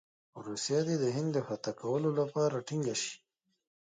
روسیه دې د هند د فتح کولو لپاره ټینګه شي.